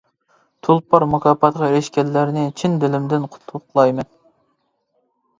تۇلپار مۇكاپاتىغا ئېرىشكەنلەرنى چىن دىلىمدىن قۇتلۇقلايمەن.